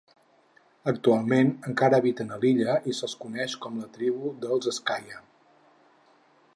Actualment encara habiten a l'illa i se'ls coneix com la tribu dels Eskaya.